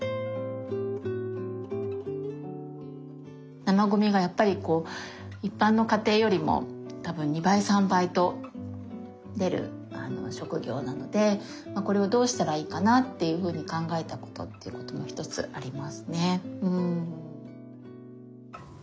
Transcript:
生ごみがやっぱりこう一般の家庭よりも多分２倍３倍と出る職業なのでこれをどうしたらいいかなっていうふうに考えたことっていうことも一つありますねうん。